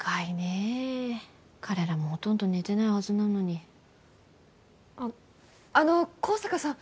え彼らもほとんど寝てないはずなのにあの香坂さん